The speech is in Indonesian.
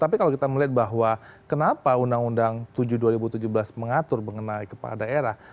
tapi kalau kita melihat bahwa kenapa undang undang tujuh dua ribu tujuh belas mengatur mengenai kepala daerah